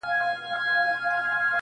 تجرۍ دي که جېبونه صندوقونه!!